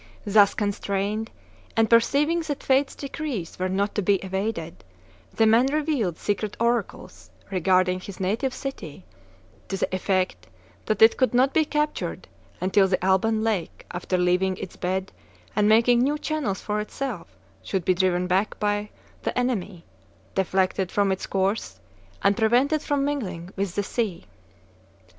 Thus constrained, and perceiving that fate's decrees were not to be evaded, the man revealed secret oracles regarding his native city, to the effect that it could not be captured until the Alban lake, after leaving its bed and making new channels for itself, should be driven back by the enemy, deflected from its course, and prevented from mingling with the sea.